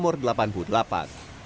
tim liputan cnn indonesia